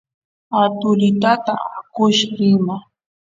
utulitata akush rima